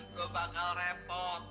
lu bakal repot